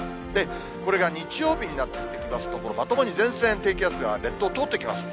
これが日曜日になってきますと、まともに前線、列島通っていきます。